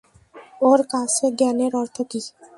ওর কাছে জ্ঞানের অর্থ কী?